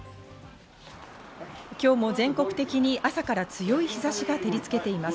今日も全国的に朝から強い日差しが照りつけています。